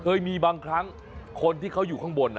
เคยมีบางครั้งคนที่เขาอยู่ข้างบน